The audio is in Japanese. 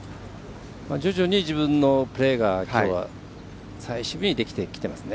徐々に自分のプレーがきょうは最終日にできてきてますね。